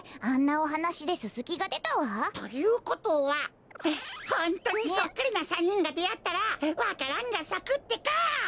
あんなおはなしでススキがでたわ。ということはホントにそっくりな３にんがであったらわか蘭がさくってか！